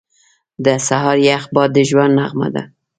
• د سهار یخ باد د ژوند نغمه ده.